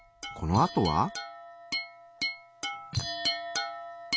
このあとは？